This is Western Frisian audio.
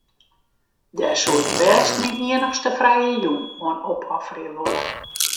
Dêr soe ik bêst myn iennichste frije jûn oan opofferje wolle.